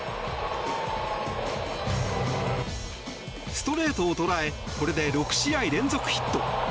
ストレートを捉えこれで６試合連続ヒット。